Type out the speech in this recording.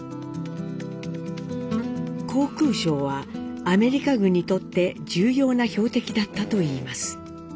航空廠はアメリカ軍にとって重要な標的だったといいます。